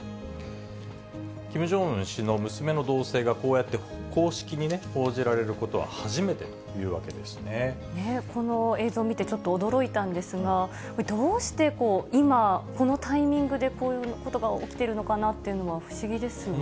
キム・ジョンウン氏の娘の動静が、こうやって公式に報じられることこの映像見て、ちょっと驚いたんですが、どうして今、このタイミングで、こういうことが起きてるのかなっていうのは不思議ですよね。